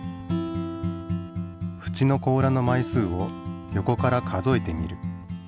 ふちの甲羅の枚数を横から数えてみる。